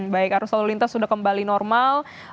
baik arus lalu lintas sudah kembali normal